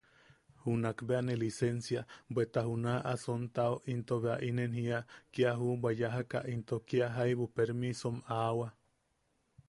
Junak bea ne lisensia, bweta junaʼa sontao into bea inen jiia: –Kia juʼubwa yajaka into kia jaibu permisom aʼawa.